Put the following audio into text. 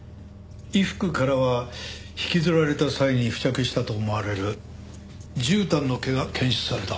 衣服からは引きずられた際に付着したと思われるじゅうたんの毛が検出された。